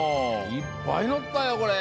いっぱいのったよこれ！